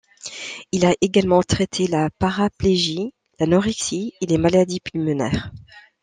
Il a également traité la paraplégie, l'anorexie et les maladies pulmonaires.